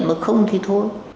mà không thì thôi